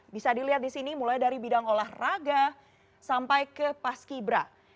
bisa dilihat di sini mulai dari bidang olahraga sampai ke paski bra